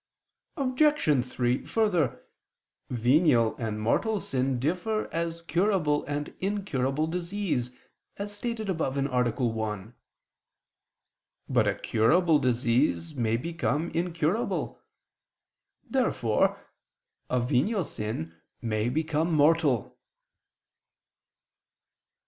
Obj. 3: Further, venial and mortal sin differ as curable and incurable disease, as stated above (A. 1). But a curable disease may become incurable. Therefore a venial sin may become mortal.